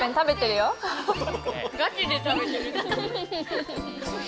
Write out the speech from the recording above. ガチでたべてる。